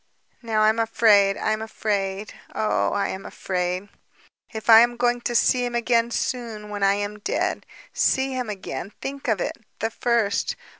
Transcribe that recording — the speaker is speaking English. Now I am afraid ... am afraid ... oh, I am afraid. If I am going to see him again, soon, when I am dead. See him again ... think of it! The first!